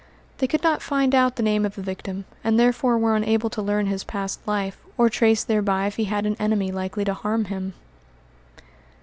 They could not find out the name of the victim, and therefore were unable to learn his past life, or trace thereby if he had an enemy likely to harm him.